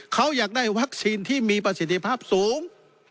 เขาอยากได้วัคซีนที่มีประสิทธิภาพสูง